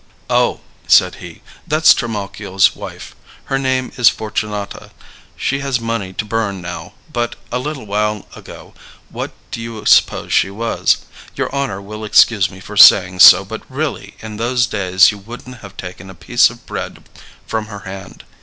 "Oh," said he, "that's Trimalchio's wife. Her name is Fortunata. She has money to burn now, but a little while ago what do you suppose she was? Your honor will excuse me for saying so, but really in those days you wouldn't have taken a piece of bread from her hand.